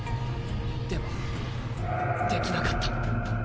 でもできなかった。